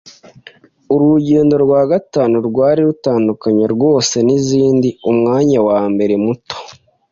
Uru rugendo rwa gatanu rwari rutandukanye rwose nizindi. Umwanya wa mbere, muto